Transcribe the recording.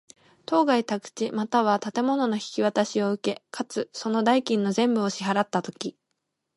当該宅地又は建物の引渡しを受け、かつ、その代金の全部を支払つたとき。